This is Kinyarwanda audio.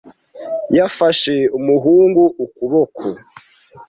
Yafashe umuhungu ukuboko.